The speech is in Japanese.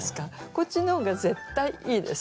こっちの方が絶対いいです。